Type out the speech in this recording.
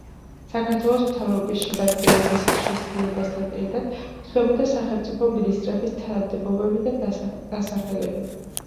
საქართველოს მთავრობის შემადგენლობის ხშირ ცვლასთან ერთად იცვლებოდა სახელმწიფო მინისტრების თანამდებობები და დასახელებები.